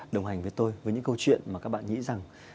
đồng hành với tôi với những câu chuyện mà các bạn nghĩ rằng